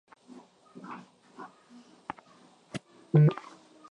nza tulisubiri kwa mda kama dakika kumi